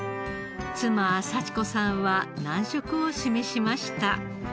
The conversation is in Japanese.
妻幸子さんは難色を示しました。